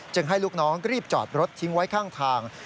ให้ลูกน้องรีบจอดรถทิ้งไว้ข้างทาง